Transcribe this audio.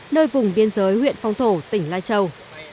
nơi vùng biên giới huyện phong thổ tỉnh lai châu